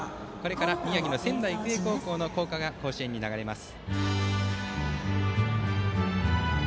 宮城・仙台育英高校の校歌が甲子園に流れます。